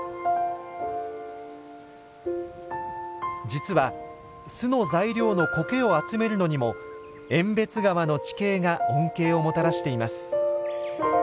実は巣の材料のコケを集めるのにも遠別川の地形が恩恵をもたらしています。